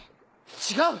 違う！